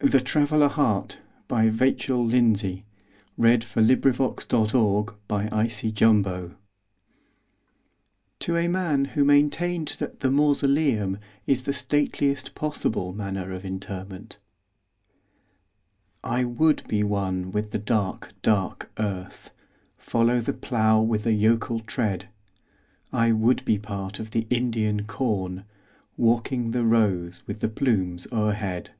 y like your own That blooms to day to vindicate your throne. The Traveller heart (To a Man who maintained that the Mausoleum is the Stateliest Possible Manner of Interment) I would be one with the dark, dark earth:— Follow the plough with a yokel tread. I would be part of the Indian corn, Walking the rows with the plumes o'erhead.